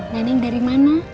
neneng dari mana